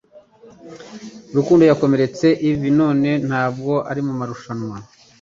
Rukundo yakomeretse ivi none ntabwo ari mumarushanwa